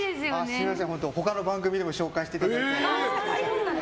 すみません、他の番組でも紹介していただいて。